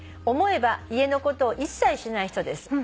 「思えば家のことを一切しない人です」